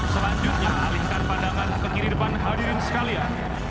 selanjutnya alihkan pandangan ke kiri depan hadirin sekalian